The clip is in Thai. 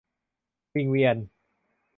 วิงเวียน